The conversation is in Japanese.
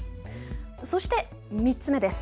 そして３つ目です。